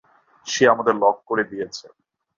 সে আমাদের লক করে দিয়েছে।